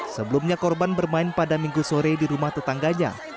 sebelumnya korban bermain pada minggu sore di rumah tetangganya